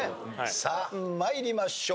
さあ参りましょう。